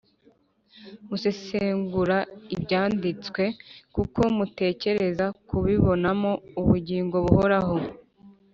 “Musesengura Ibyanditswe kuko mutekereza kubibonamo ubugingo buhoraho,